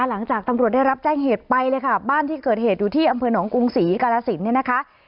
หลังจากตำรวจได้รับแจ้งเหตุไปเลยค่ะบ้านที่เกิดเหตุอยู่ที่อำเภอหนองกรุงศรีกาลสินเนี่ยนะคะ